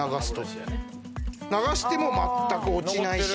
流しても全く落ちないし。